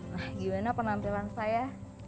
nah gimana penampilan saya